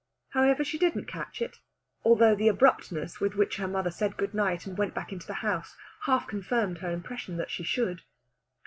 However, she didn't catch it, although the abruptness with which her mother said good night and went back into the house half confirmed her impression that she should.